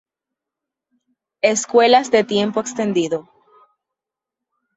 Escuelas de Tiempo Extendido